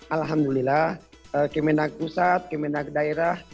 alhamdulillah kemenang pusat kemenang daerah